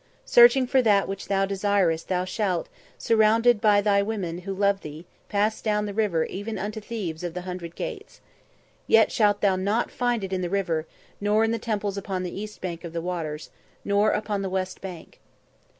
Searching for that which thou desirest thou shalt, surrounded by thy women who love thee, pass down the river even unto Thebes of the Hundred Gates. Yet shalt thou not find it in the river, nor in the temples upon the east bank of the waters, nor upon the west bank."